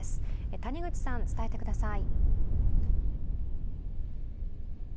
谷口さん、伝えてください。